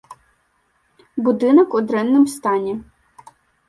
Будынак у дрэнным стане.